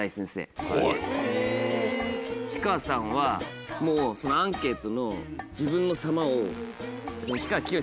氷川さんはもうアンケートの自分の「様」を。